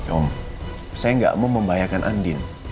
om saya nggak mau membahayakan andin